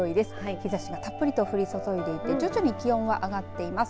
日ざしがたっぷりと降り注いでいて徐々に気温は上がっています。